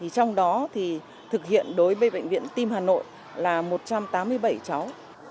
trong đó thì thực hiện đối với bệnh viện tim hà nội là một trăm tám mươi bảy cháu